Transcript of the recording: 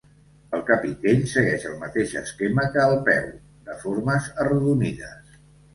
El capitell segueix el mateix esquema que el peu, de formes arrodonides.